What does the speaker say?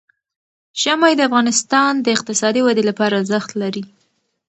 ژمی د افغانستان د اقتصادي ودې لپاره ارزښت لري.